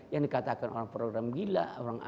yang dikatakan orang program gila